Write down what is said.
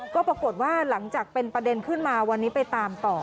ก็ปรากฏว่าหลังจากเป็นประเด็นขึ้นมาวันนี้ไปตามต่อ